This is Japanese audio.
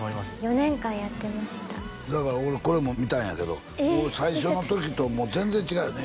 ４年間やってましただから俺これも見たんやけどもう最初の時と全然違うよね